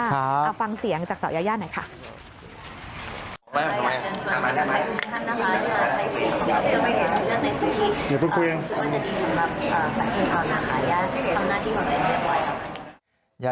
เอาฟังเสียงจากสาวยายาหน่อยค่ะ